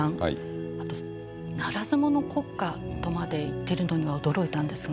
あとならず者国家とまで言っているのには驚いたんですが。